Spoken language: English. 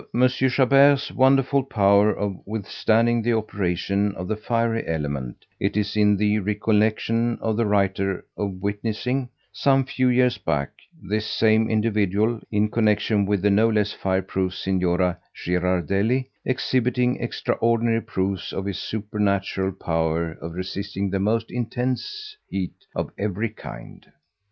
Chabert's wonderful power of withstanding the operation of the fiery element, it is in the recollection of the writer of witnessing, some few years back, this same individual (in connection with the no less fire proof Signora Girardelli) exhibiting 'extraordinary proofs of his supernatural power of resisting the most intense heat of every kind.'